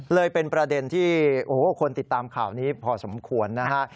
เลยเป็นประเด็นที่โอ้โหคนติดตามข่าวนี้พอสมควรนะฮะ